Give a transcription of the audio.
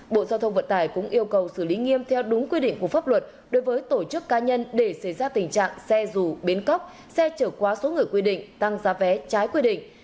bộ giao thông vận tải cũng yêu cầu xử lý nghiêm theo đúng quy định của pháp luật đối với tổ chức cá nhân để xảy ra tình trạng xe dù bến cóc xe trở quá số người quy định tăng giá vé trái quy định